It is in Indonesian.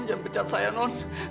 jangan pecat saya non